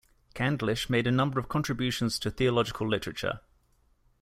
Candlish made a number of contributions to theological literature.